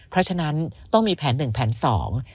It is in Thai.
เพราะฉะนั้นต้องมีแผนหนึ่งแผนสอง